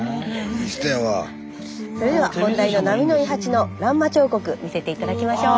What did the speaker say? それでは本題の波の伊八の欄間彫刻見せて頂きましょう。